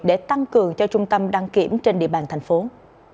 để tăng cường cho trung tâm đăng kiểm trên địa bàn tp hcm